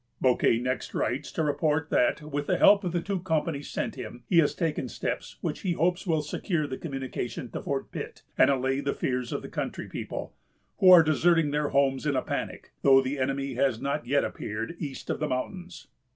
Bouquet next writes to report that, with the help of the two companies sent him, he has taken steps which he hopes will secure the communication to Fort Pitt and allay the fears of the country people, who are deserting their homes in a panic, though the enemy has not yet appeared east of the mountains.